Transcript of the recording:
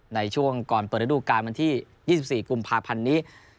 ในช่วงก่อนเปิดระดูการวันที่๒๔กุมภาพันธ์นี้